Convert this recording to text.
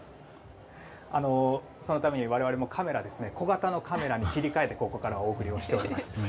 そのために我々も小型のカメラに切り替えてここからお送りしています。